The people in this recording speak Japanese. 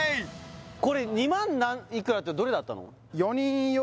これ２万いくらってどれだったの？